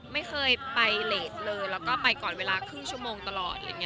ไม่เคยไปเชิญเรทก็ไปก่อนเวลาครึ่งชั่วโมงตลอด